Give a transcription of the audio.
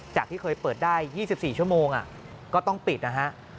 ที่เคยเปิดได้๒๔ชั่วโมงก็ต้องปิดนะฮะ